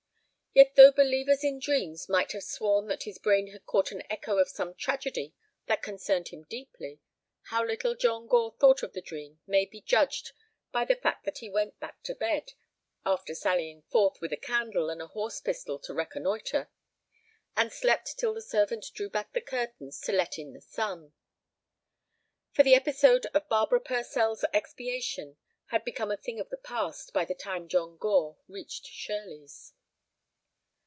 Yet though believers in dreams might have sworn that his brain had caught an echo of some tragedy that concerned him deeply, how little John Gore thought of the dream may be judged by the fact that he went back to bed, after sallying forth with a candle and a horse pistol to reconnoitre, and slept till the servant drew back the curtains to let in the sun. For the episode of Barbara Purcell's expiation had become a thing of the past by the time John Gore reached Shirleys.